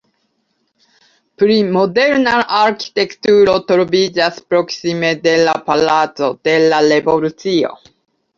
Pli moderna arkitekturo troviĝas proksime de la Placo de la Revolucio.